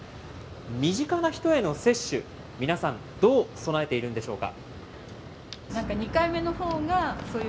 身近な人への接種、皆さん、どう備えているんでしょうか。